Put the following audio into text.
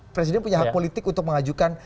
presiden punya hak politik untuk mengajukan